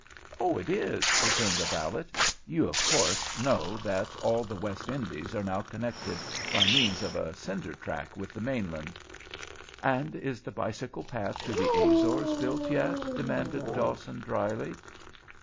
"Oh, it is," returned the valet. "You, of course, know that all the West Indies are now connected by means of a cinder track with the mainland?" "And is the bicycle path to the Azores built yet?" demanded Dawson, dryly.